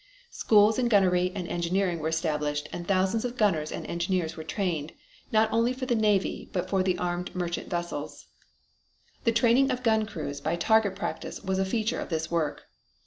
Schools in gunnery and engineering were established and thousands of gunners and engineers were trained, not only for the Navy but for the armed merchant vessels. The training of gun crews by target practice was a feature of this work.